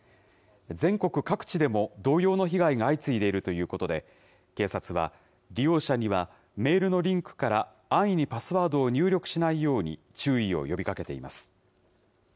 全国各地でも同様の被害が相次いでいるということで、警察は、利用者にはメールのリンクから安易にパスワードを入力しないように、注意を呼びかけています。